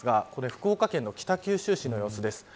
福岡県の北九州市の様子です。